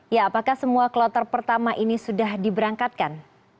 ya apakah semua kloter pertama ini sudah diberangkatkan